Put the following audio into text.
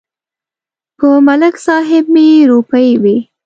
په ملک صاحب مې روپۍ وې.